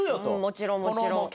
もちろんもちろん。